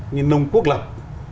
nhìn nông quốc lập